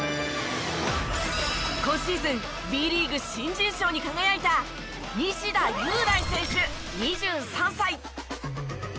今シーズンＢリーグ新人賞に輝いた西田優大選手２３歳。